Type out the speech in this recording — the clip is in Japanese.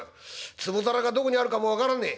壺皿がどこにあるかも分からねえ」。